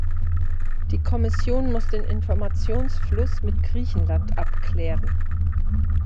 Die Kommission muss den Informationsfluss mit Griechenland abklären.